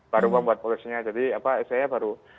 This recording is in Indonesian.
baru pembuat polosenya jadi saya baru